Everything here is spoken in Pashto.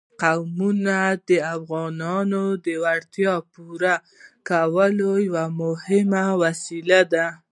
قومونه د افغانانو د اړتیاوو د پوره کولو یوه مهمه وسیله ده.